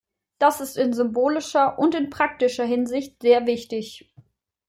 Das ist in symbolischer und in praktischer Hinsicht sehr wichtig.